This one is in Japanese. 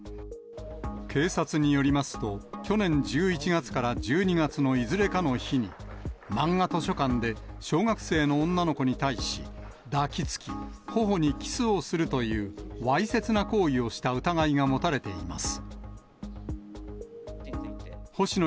警察によりますと、去年１１月から１２月のいずれかの日に、まんが図書館で小学生の女の子に対し、抱きつき、ほほにキスをするというわいせつな行為をした疑いが持たれています。